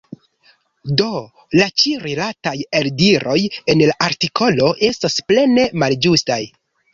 Do la ĉi-rilataj eldiroj en la artikolo estas plene malĝustaj.